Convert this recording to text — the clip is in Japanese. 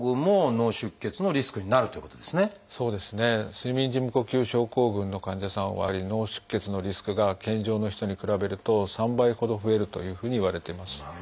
睡眠時無呼吸症候群の患者さんはやっぱり脳出血のリスクが健常の人に比べると３倍ほど増えるというふうにいわれてます。